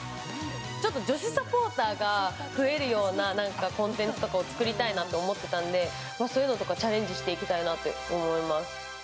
女子サポーターが増えるようなコンテンツとかを作りたいなと思ってたんでそういうのとかチャレンジしていきたいなって思います。